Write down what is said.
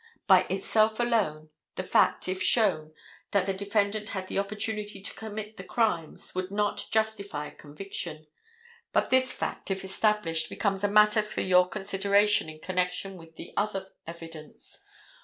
By itself alone, the fact, if shown, that the defendant had the opportunity to commit the crimes, would not justify a conviction; but this fact, if established, becomes a matter for your consideration in connection with the other evidence.